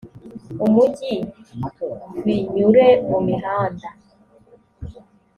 mu mugi v nyure mu mihanda